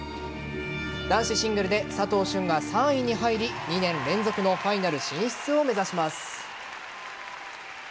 男子シングルで佐藤駿が３位に入り２年連続のファイナル進出を目指します。